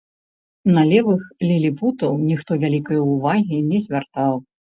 На левых ліліпутаў ніхто вялікай увагі не звяртаў.